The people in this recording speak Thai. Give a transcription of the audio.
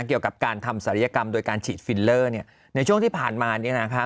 เกี่ยวกับการทำศัลยกรรมโดยการฉีดฟิลเลอร์ในช่วงที่ผ่านมาเนี่ยนะคะ